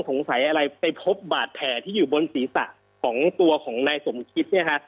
สงสัยอะไรไปพบบาดแผลที่อยู่บนศีรษะของตัวของนายสมคิดเนี่ยฮะ